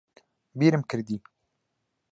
بیرم کردی